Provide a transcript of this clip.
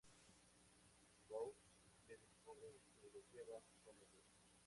Kou les descubre y se lo llevan con ellos.